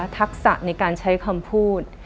ทักษะในการใช้คำพูด